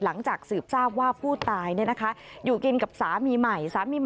หลังจากสืบทราบว่าผู้ตายอยู่กินกับสามีใหม่สามีใหม่